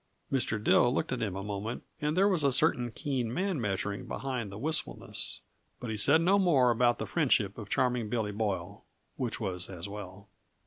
Mr. Dill looked at him a moment and there was a certain keen man measuring behind the wistfulness. But he said no more about the friendship of Charming Billy Boyle, which was as well.